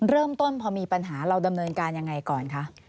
เริ่มต้นพอมีปัญหาเราดำเนินการยังไงก่อนคะ